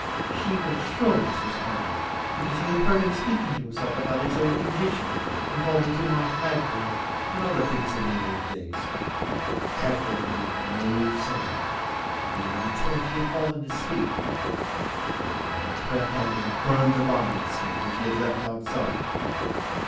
She was sure this was Hermod, because she heard him speaking to himself about his own condition, and calling to mind Hadvor and other things in the old days. Hadvor made no sign, but waited till he had fallen asleep, and then crept out and burned the lion's skin, which he had left outside.